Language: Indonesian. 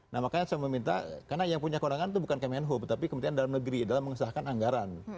nah makanya saya meminta karena yang punya kewenangan itu bukan kemenhub tapi kementerian dalam negeri dalam mengesahkan anggaran